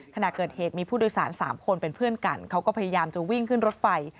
ขณะเกิดเหตุมีผู้โดยสาร๓คนเป็นเพื่อนกันเขาก็พยายามจะวิ่งขึ้นรถไฟ